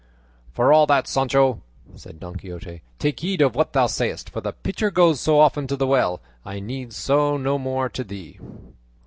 "For all that, Sancho," said Don Quixote, "take heed of what thou sayest, for the pitcher goes so often to the well I need say no more to thee."